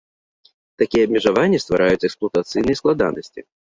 Такія абмежаванні ствараюць эксплуатацыйныя складанасці.